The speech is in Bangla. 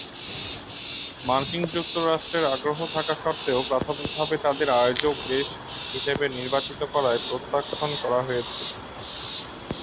মার্কিন যুক্তরাষ্ট্রের আগ্রহ থাকা সত্ত্বেও প্রাথমিকভাবে তাদের আয়োজক দেশ হিসেবে নির্বাচিত করায় প্রত্যাখ্যান করা হয়েছিল।